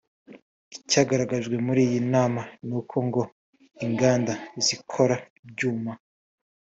Icyagaragajwe muri iyi nama ni uko ngo inganda zikora ibyuma